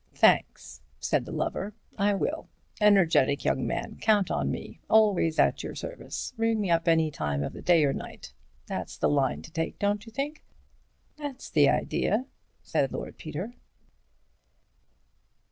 "Thanks," said the lover, "I will. Energetic young man. Count on me. Always at your service. Ring me up any time of the day or night. That's the line to take, don't you think?" "That's the idea," said Lord Peter.